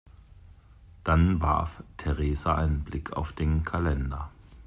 Dann warf Theresa einen Blick auf den Kalender.